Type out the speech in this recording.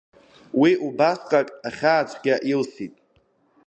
Уи убасҟак ахьаацәгьа илсит…